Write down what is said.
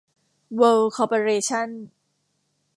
เวิลด์ คอร์ปอเรชั่น